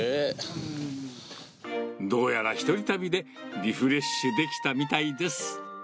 どうやら一人旅でリフレッシュできたみたいです。